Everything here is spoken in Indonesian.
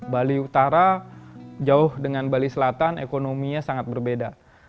bali utara jauh dengan bali selatan ekonominya sangat berbeda